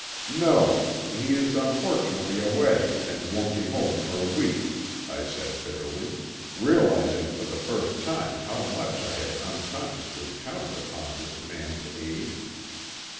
"No. He is unfortunately away and won't be home for a week," I said bitterly, realizing for the first time how much I had unconsciously counted upon this man's aid.